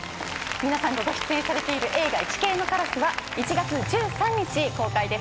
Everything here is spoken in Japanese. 皆さんがご出演されている映画『イチケイのカラス』は１月１３日公開です。